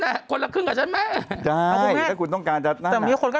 แต่คนละครึ่งกับฉันไหมใช่ถ้าคุณต้องการจะนั่งแต่มีคนก็